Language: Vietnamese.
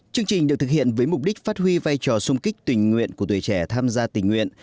chương trình được thực hiện với mục đích phát huy vai trò sung kích tình nguyện của tuổi trẻ tham gia tình nguyện